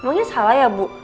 emangnya salah ya bu